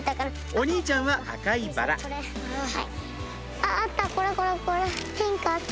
お兄ちゃんは赤いバラあった！